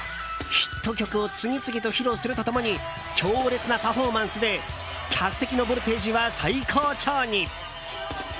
ヒット曲を次々と披露すると共に強烈なパフォーマンスで客席のボルテージは最高潮に。